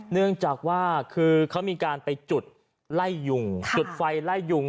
เนื่องจากว่าคือเขามีการไปจุดไล่ยุงจุดไฟไล่ยุง